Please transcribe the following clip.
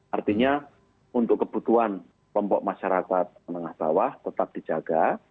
artinya untuk kebutuhan kelompok masyarakat menengah bawah tetap dijaga